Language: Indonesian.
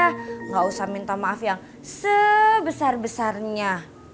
tidak usah minta maaf yang sebesar besarnya